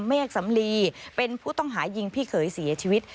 เมฆสำลีเป็นผู้ต้องหายิงพี่เขยเสียชีวิต